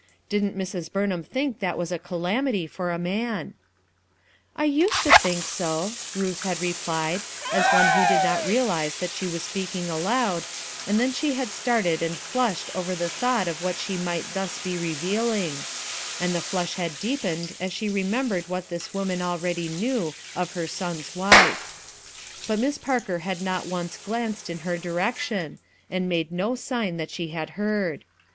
Didn't Mrs, Burn ham think that was a calamity for a man, U I used to think so/' Ruth had replied, as ALONE 247 one who did not realize that she was speaking aloud, and then she had started and flushed over the thought of what she might thus be revealing; and the flush had deepened as she remembered what this woman already knew of her son's wife. But Miss Parker had not once glanced in her direction, and made no sign that she had heard.